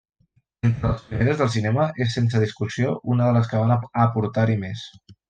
Entre les pioneres del cinema, és sense discussió una de les que van aportar-hi més.